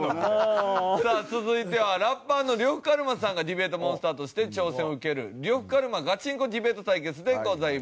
さあ続いてはラッパーの呂布カルマさんがディベートモンスターとして挑戦を受ける「呂布カルマガチンコディベート対決！」でございます。